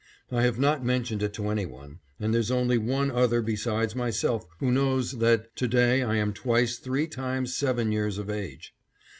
I have not mentioned it to any one, and there's only one other besides myself who knows that to day I am twice three times seven years of age.